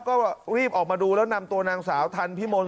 ก็รีบออกมาดูแล้วนำตัวนางสาวทันพิมล